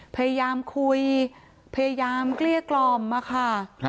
พยายามคุยพยายามเกลี้ยกล่อมมาค่ะ